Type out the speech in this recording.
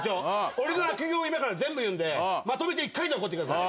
俺の悪行を今から全部言うんでまとめて１回で怒ってください。